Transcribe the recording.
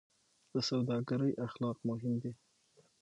د سوداګرۍ اخلاق مهم دي